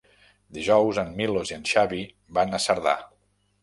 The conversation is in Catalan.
Dijous en Milos i en Xavi van a Cerdà.